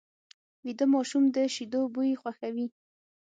ویده ماشوم د شیدو بوی خوښوي